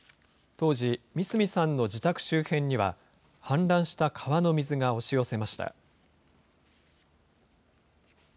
当時、三隅さんの自宅周辺には、氾濫した川の水が押し寄せました。